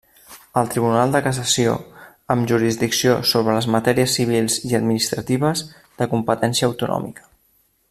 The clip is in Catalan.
El Tribunal de Cassació, amb jurisdicció sobre les matèries civils i administratives de competència autonòmica.